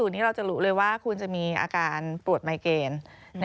นี่เราจะรู้เลยว่าคุณจะมีอาการปวดไมเกณฑ์